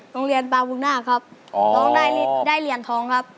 โรงเรียนปาบุงนาคครับร้องได้ได้เหรียญทองครับ